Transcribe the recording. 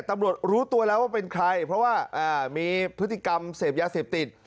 รู้ตัวแล้วว่าเป็นใครเพราะว่ามีพฤติกรรมเสพยาเสพติด